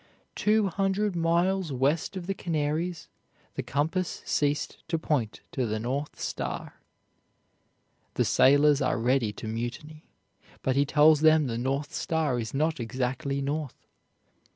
Two hundred miles west of the Canaries, the compass ceased to point to the North Star. The sailors are ready to mutiny, but he tells them the North Star is not exactly north.